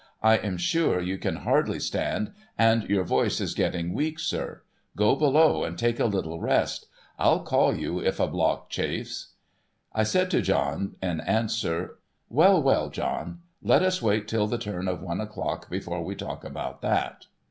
I am sure you can hardly stand, and your voice is getting weak, sir. Go below, and take a little rest, FU call you if a block chafes.' I said to John in answer, ' ^^'ell, well, John ! Lt t us wait till the turn of one o'clock, before we talk about that.'